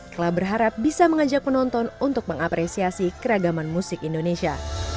club berharap bisa mengajak penonton untuk mengapresiasi keragaman musik indonesia